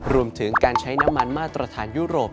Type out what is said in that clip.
รวมถึงการใช้น้ำมันมาตรฐานยุโรป